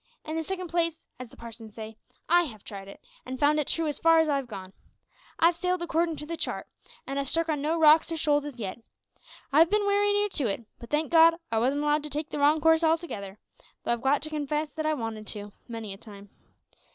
In the second place, as the parsons say, I have tried it, an' found it true as fur as I've gone. I've sailed accordin to the chart, an' have struck on no rocks or shoals as yet. I've bin wery near it; but, thank God, I wasn't allowed to take the wrong course altogether, though I've got to confess that I wanted to, many a time.